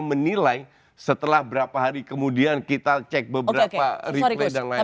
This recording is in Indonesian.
menilai setelah berapa hari kemudian kita cek beberapa replay dan lain lain